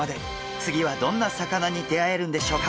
次はどんな魚に出会えるんでしょうか？